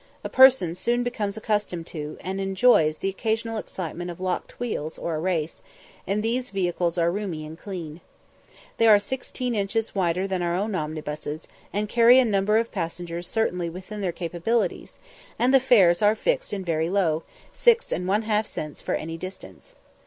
A person soon becomes accustomed to, and enjoys, the occasional excitement of locked wheels or a race, and these vehicles are roomy and clean. They are sixteen inches wider than our own omnibuses, and carry a number of passengers certainly within their capabilities, and the fares are fixed and very low, 6 1/2 cents for any distance.